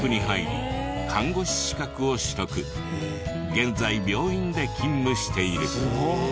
現在病院で勤務している。